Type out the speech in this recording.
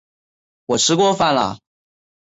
我吃过饭了